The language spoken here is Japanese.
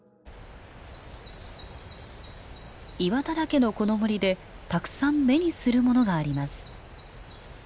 岩だらけのこの森でたくさん目にするものがあります。